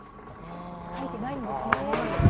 書いてないんですね。